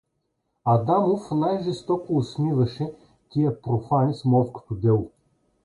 Адамов най-жестоко осмиваше тия профани с морското дело.